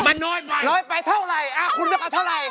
มันน้อยไปน้อยไปเท่าไรอ่ะคุณจะจะมาเท่าไร